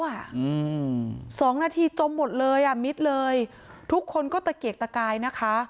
อืมสองนาทีจมหมดเลยอ่ะมิดเลยทุกคนก็ตะเกียกตะกายนะคะ